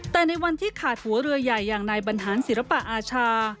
แต่ในวันที่ขาดหัวเรือใหญ่อย่างนายบรรหารศิลปะอาชา